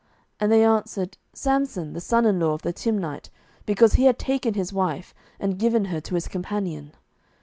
And they answered, Samson, the son in law of the Timnite, because he had taken his wife, and given her to his companion.